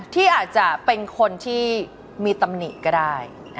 ที่อาจจะเป็นคนที่มีตำหนิก็ได้